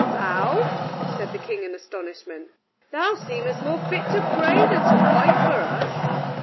"Thou," said the King in astonishment, "thou seemest more fit to pray than to fight for us."